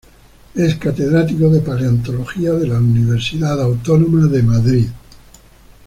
Es catedrático de Paleontología de la Universidad Autónoma de Madrid.